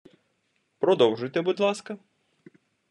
продовжуйте, будь ласка!